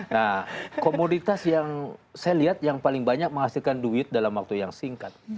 nah komoditas yang saya lihat yang paling banyak menghasilkan duit dalam waktu yang singkat